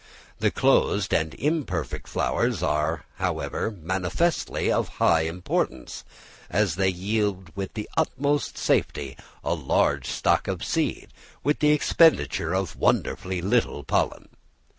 The closed and imperfect flowers are, however, manifestly of high importance, as they yield with the utmost safety a large stock of seed, with the expenditure of wonderfully little pollen.